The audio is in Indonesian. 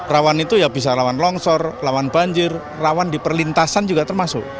rawan itu ya bisa lawan longsor lawan banjir rawan di perlintasan juga termasuk